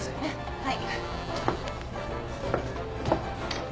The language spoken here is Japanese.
はい。